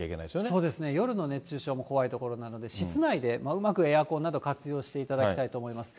そうですね、夜の熱中症も怖いところなんで、室内でうまくエアコンなど活用していただきたいと思います。